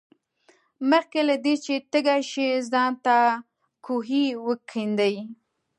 مخکې له دې چې تږي شې ځان ته کوهی وکیندئ.